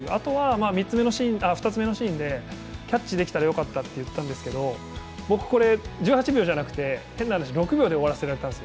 あとは２つ目のシーンでキャッチできたらよかったと言ったんですが僕、１８秒じゃなくて変な話６秒で終わらせられたんです。